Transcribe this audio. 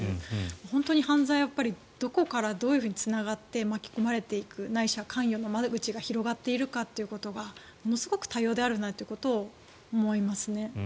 本当に犯罪はどこからどういうふうにつながって巻き込まれていく、ないしは関与の窓口が広がっているかということがものすごく多様であるなということを思いますね。